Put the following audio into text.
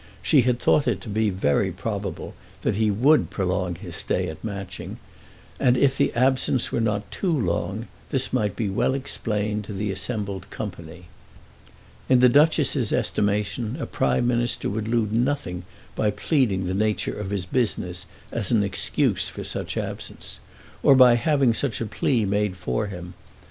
She had thought it to be very probable that he would prolong his stay at Matching, and if the absence were not too long, this might be well explained to the assembled company. In the Duchess's estimation a Prime Minister would lose nothing by pleading the nature of his business as an excuse for such absence, or by having such a plea made for him.